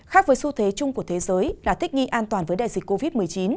khác với xu thế chung của thế giới là thích nghi an toàn với đại dịch covid một mươi chín